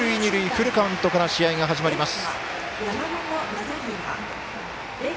フルカウントから試合が始まります。